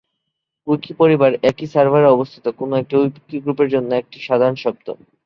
Wiki পরিবার একই সার্ভারে অবস্থিত কোন উইকি গ্রুপের জন্য এটি একটি সাধারণ শব্দ।